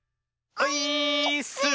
オイーッス！